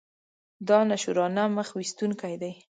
دانشورانه مخ ویستونکی دی.